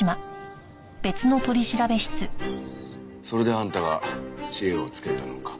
それであんたが知恵をつけたのか。